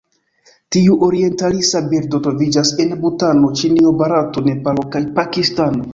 Tiu orientalisa birdo troviĝas en Butano, Ĉinio, Barato, Nepalo kaj Pakistano.